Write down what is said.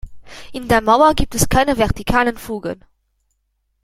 In der Mauer gibt es keine vertikalen Fugen.